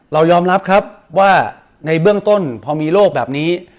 เรายอมรับครับว่าในเบื้องต้นพอมีโรคแบบนี้